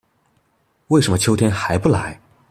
為什麼秋天還不來